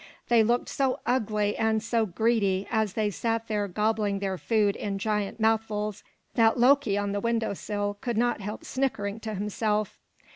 They looked so ugly and so greedy, as they sat there gobbling their food in giant mouthfuls, that Loki on the window sill could not help snickering to himself.